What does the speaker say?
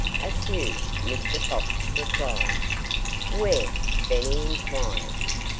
"A few!" Mr. Fox replied. "Where?" Benny inquired.